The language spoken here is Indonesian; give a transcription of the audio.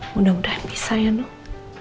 mudah mudahan bisa ya dok